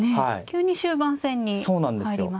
急に終盤戦に入りますね。